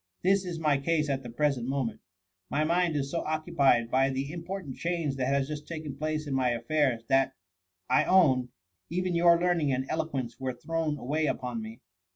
This is my case at the present moment. My mind is so occupied by the im portant change that has just taken place in my affairs, that, I own, even your learning and elo quence were thrown away upon me.'